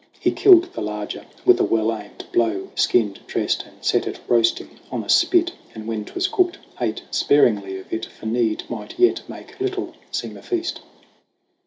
He killed the larger with a well aimed blow, Skinned, dressed and set it roasting on a spit ; And when 'twas cooked, ate sparingly of it, For need might yet make little seem a feast.